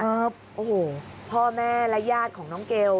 โอ้โหพ่อแม่และญาติของน้องเกล